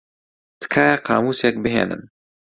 تکایە قامووسێک بھێنن.